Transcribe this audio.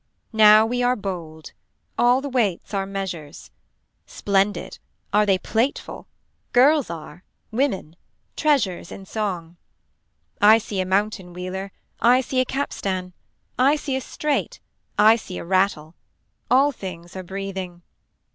Now we are bold. All the weights are measures. Splendid. Are they plateful. Girls are. Women. Treasures in song. I see a mountain wheeler I see a capstan. I see a straight. I see a rattle. All things are breathing.